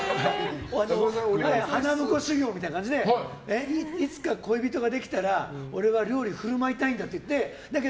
花婿修行みたいな感じでいつか恋人ができたら俺は料理を振る舞いたいと。